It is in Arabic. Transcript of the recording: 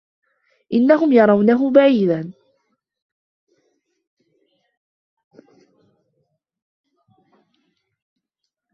إِنَّهُم يَرَونَهُ بَعيدًا